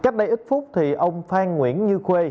trong một phút thì ông phan nguyễn như khuê